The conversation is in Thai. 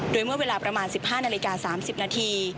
โดยเมื่อเวลาประมาณ๑๕นาฬิกา๓๐นาที